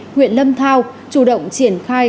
nguyện lâm thao chủ động triển khai